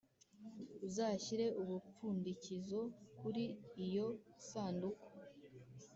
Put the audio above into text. Uzashyire umupfundikizo kuri iyo sanduku